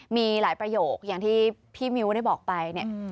มีหลายประโยคอย่างที่พี่มิ้วได้บอกไปเนี่ย